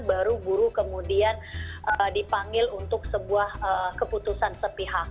baru buru kemudian dipanggil untuk sebuah keputusan sepihak